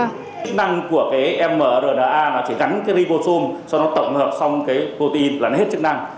chức năng của mrna chỉ gắn ribosome sau đó tổng hợp xong protein là hết chức năng